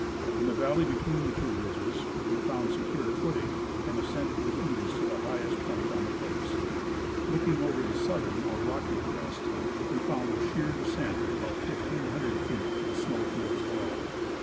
In the valley between the two ridges we found secure footing, and ascended with ease to the highest point on the cliffs. Looking over the southern or rocky crest, we found a sheer descent of about 1,500 feet to the snoAV fields below.